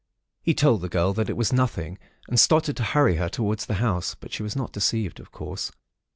He told the girl that it was nothing, and started to hurry her towards the house, but she was not deceived, of course.